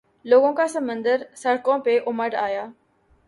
لوگوں کا سمندر سڑکوں پہ امڈآیا۔